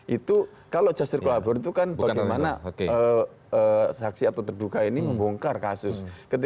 itu kalau justice collaborator itu kan bagaimana saksi atau terduga ini membongkar kasus